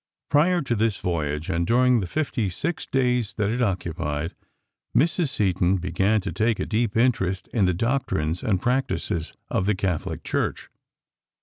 Prior to this voyage and during the fifty six days that it occupied, Mrs. Seton began to take a deep interest in the doctrines and practices of the Catholic Church.